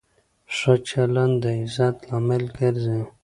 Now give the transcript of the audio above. ښه چلند د عزت لامل ګرځي.